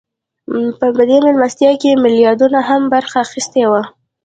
په دې مېلمستیا کې میلیاردرانو هم برخه اخیستې وه